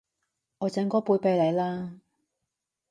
我整過杯畀你啦